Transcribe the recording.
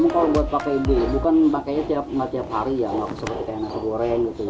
kalau buat pakai ini ibu kan pakai nggak tiap hari ya seperti kaya nasi goreng gitu